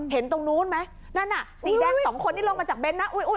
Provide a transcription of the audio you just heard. เห็นตรงนู้นไหมนั่นน่ะสีแดง๒คนนี่ลงมาจากเบนท์น่ะ